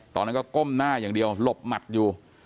ตอนนั้นก็ก้มหน้าอย่างเดียวหลบหมัดอยู่